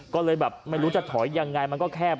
ก็เลยแบบไม่รู้จะถอยยังไงมันก็แคบ